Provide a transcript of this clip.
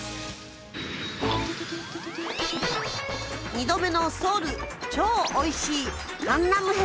「２度目のソウル超おいしいカンナム編」。